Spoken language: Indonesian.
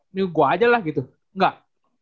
ini gue aja lah gitu enggak